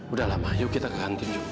udah lah ma yuk kita ke kantin yuk